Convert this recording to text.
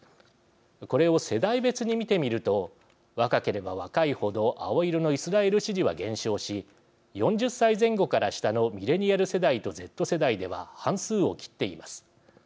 これを世代別に見てみると若ければ若い程青色のイスラエル支持は減少し４０歳前後から下のミレニアル世代とＺ世代では半数を切っています。